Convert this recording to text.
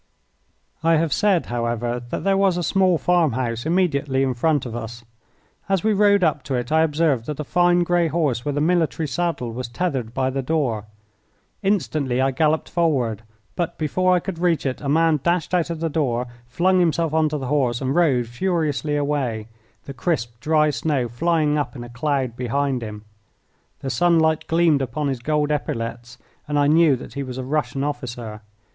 I have said, however, that there was a small farm house immediately in front of us. As we rode up to it I observed that a fine grey horse with a military saddle was tethered by the door. Instantly I galloped forward, but before I could reach it a man dashed out of the door, flung himself on to the horse, and rode furiously away, the crisp, dry snow flying up in a cloud behind him. The sunlight gleamed upon his gold epaulettes, and I knew that he was a Russian officer.